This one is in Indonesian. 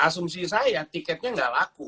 asumsi saya tiketnya nggak laku